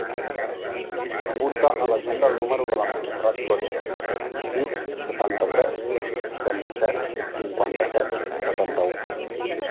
Apunta a l'agenda el número de la Montserrat Florido: sis, setanta-tres, trenta-set, cinquanta-set, setanta-u.